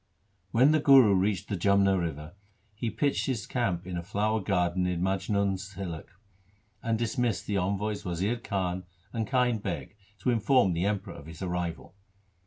When the Guru reached the Jamna river, he pitched his camp in a flower garden near Maj nun's hillock, and dismissed the envoys Wazir Khan and Kind Beg to inform the Emperor of his arrival.